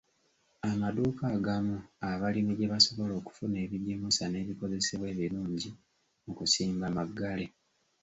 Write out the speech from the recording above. Amaduuka agamu abalimi gye basobola okufuna ebigimusa n'ebikozesebwa ebirungi mu kusimba maggale